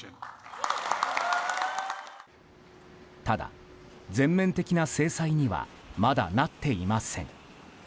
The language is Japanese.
ただ、全面的な制裁にはまだなっていません。